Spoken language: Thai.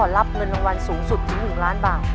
รับเงินรางวัลสูงสุดถึง๑ล้านบาท